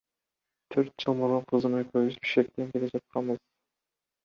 Төрт жыл мурун кызым экөөбүз Бишкектен келе жатканбыз.